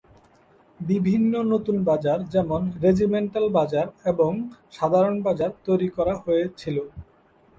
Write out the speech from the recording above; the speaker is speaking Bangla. বিভিন্ন নতুন বাজার যেমন রেজিমেন্টাল বাজার এবং সাধারণ বাজার তৈরি করা হয়েছিল।